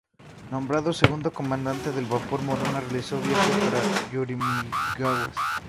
Nombrado segundo comandante del vapor "Morona", realizó viajes del Pará a Yurimaguas.